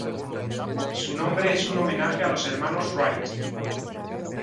Su nombre es un homenaje a los Hermanos Wright.